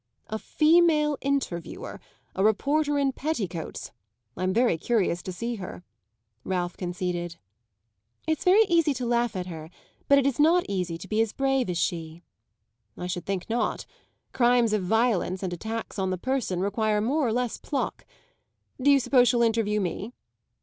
"A female interviewer a reporter in petticoats? I'm very curious to see her," Ralph conceded. "It's very easy to laugh at her but it is not easy to be as brave as she." "I should think not; crimes of violence and attacks on the person require more or less pluck. Do you suppose she'll interview me?"